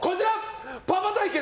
パパ対決！